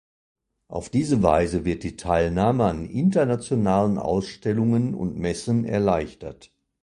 Auf diese Weise wird die Teilnahme an internationalen Ausstellungen und Messen erleichtert.